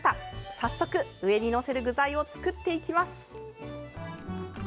早速、上に載せる具材を作っていきます。